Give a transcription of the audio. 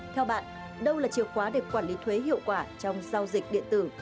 theo bạn đâu là chìa khóa để quản lý thuế hiệu quả trong giao dịch điện tử